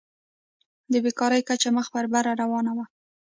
د بېکارۍ کچه مخ په بره روانه وه.